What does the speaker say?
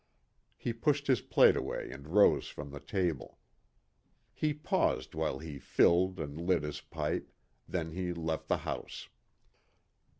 He pushed his plate away and rose from the table. He paused while he filled and lit his pipe, then he left the house.